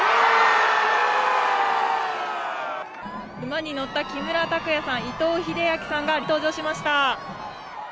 馬に乗った木村拓也さん、伊藤英明さんが登場しました。